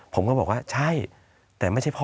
ผมก็บอกว่าใช่แต่ไม่ใช่พ่อ